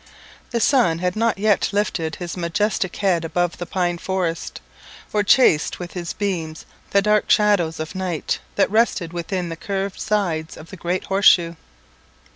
The sun had not yet lifted his majestic head above the pine forest, or chased with his beams the dark shadows of night that rested within the curved sides of the great Horse shoe.